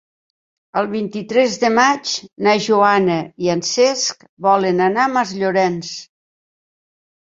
El vint-i-tres de maig na Joana i en Cesc volen anar a Masllorenç.